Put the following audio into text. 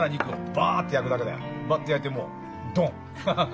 バッと焼いてもうドン！